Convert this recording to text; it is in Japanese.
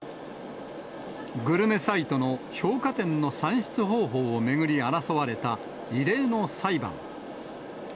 グルメサイトの評価点の算出方法を巡り争われた異例の裁判。